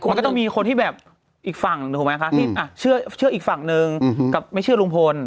มันก็ต้องมีคนที่แบบอีกฝั่งหนึ่งถูกไหมคะที่เชื่ออีกฝั่งนึงกับไม่เชื่อลุงพล